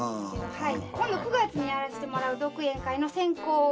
はい。